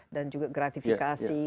dan juga gratifikasi